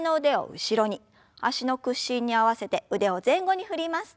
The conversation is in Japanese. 脚の屈伸に合わせて腕を前後に振ります。